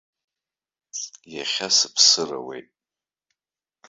Иахьа сыԥсыр ауеит!